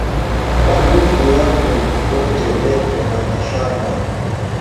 Ba nduku yangu bote beko na mashamba